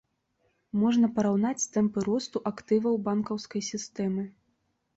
Можна параўнаць тэмпы росту актываў банкаўскай сістэмы.